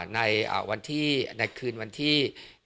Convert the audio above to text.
ในคืนวันที่๒๘